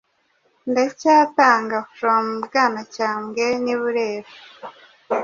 Ndacyatanga flom Bwanacyambwe n'i Burera